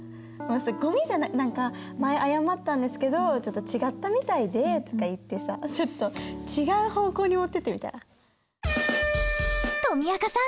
ゴミじゃ「前謝ったんですけどちょっと違ったみたいで」とか言ってさちょっと違う方向に持ってってみたら？とみあかさん